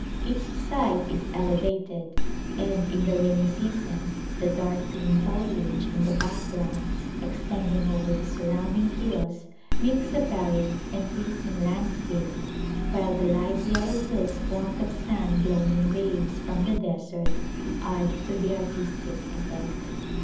Its site is elevated, and in the rainy season the dark green foliage in the background extending over the surrounding hills makes a varied and pleasing land scape, while the light yellow hills formed of sand blown in waves from the desert add to the artistic effect.